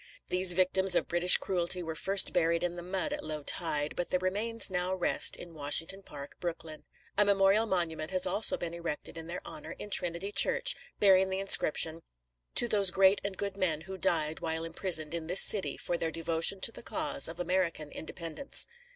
These victims of British cruelty were first buried in the mud at low tide, but their remains now rest in Washington Park, Brooklyn. A memorial monument has also been erected in their honor in Trinity Church, bearing the inscription: "To those great and good men who died while imprisoned in this city, for their devotion to the cause of American Independence."